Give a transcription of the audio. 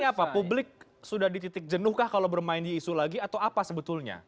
ini apa publik sudah di titik jenuh kah kalau bermain di isu lagi atau apa sebetulnya